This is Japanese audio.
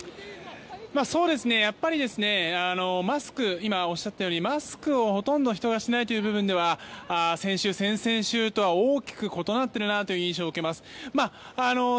今、おっしゃったようにマスクをほとんどの人がしないという部分では先週、先々週とは大きく異なっている印象を受けます。